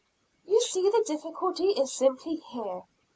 "You see the difficulty is simply here.